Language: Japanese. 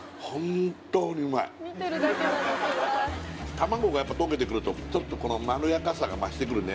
卵がやっぱ溶けてくるとちょっとこのまろやかさが増してくるね